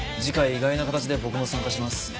次回意外な形で僕も参加します。